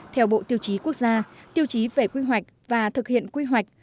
theo bộ tiêu chí quốc gia tiêu chí về quy hoạch và thực hiện quy hoạch